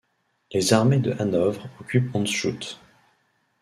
Les armées de Hanovre occupent Hondschoote.